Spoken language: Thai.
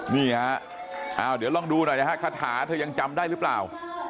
นี่ฮะเดี๋ยวลองดูหน่อยนะฮะคาถาเธอยังจำได้หรือเปล่า